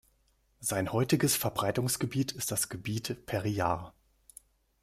Sein heutiges Verbreitungsgebiet ist das Gebiet Periyar.